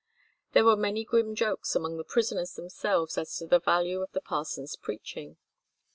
There were many grim jokes among the prisoners themselves as to the value of the parson's preaching.